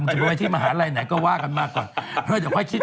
มึงจะไปที่มหาลัยไหนก็ว่ากันมากก่อน